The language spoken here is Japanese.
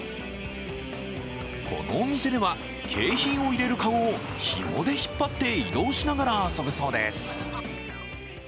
このお店では、景品を入れる籠をひもで引っ張って移動しながら遊ぶそうです。